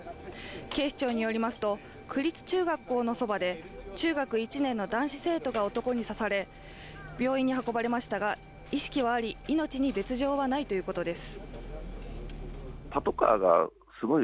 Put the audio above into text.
警視庁によりますと、区立中学校のそばで中学１年の男子生徒が男に刺され病院に運ばれましたが、意識はあり命に別状はないということです。